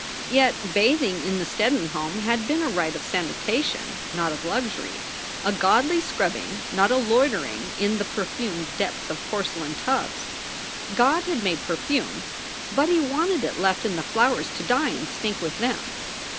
Yet bathing in the Steddon home had been a rite of sanitation, not of luxury; a godly scrubbing, not a loitering in the perfumed depths of porcelain tubs. God had made perfume, but he wanted it left in the flowers to die and stink with them.